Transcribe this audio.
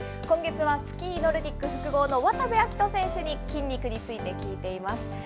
今月はスキーノルディック複合の渡部暁斗選手に筋肉について聞いています。